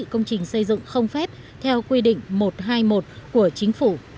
công trình xây dựng không phép theo quy định một trăm hai mươi một của chính phủ